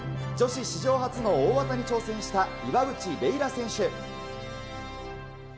女子史上初の大技に挑戦した岩渕麗楽選手。